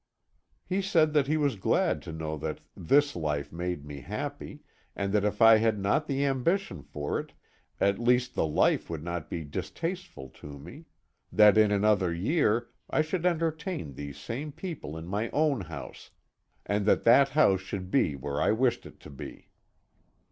He said that he was glad to know that this life made me happy, and that if I had not the ambition for it, at least the life would not be distasteful to me; that in another year I should entertain these same people in my own house, and that that house should be where I wished it to be.